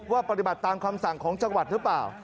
ปฏิบัติตามคำสั่งของจังหวัดหรือเปล่า